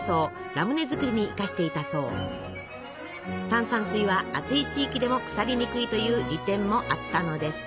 炭酸水は暑い地域でも腐りにくいという利点もあったのです。